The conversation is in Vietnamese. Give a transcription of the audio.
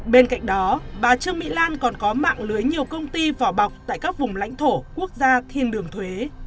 bên cạnh đó bà trương mỹ lan còn có mạng lưới nhiều công ty vỏ bọc tại các vùng lãnh thổ quốc gia thiên đường thuế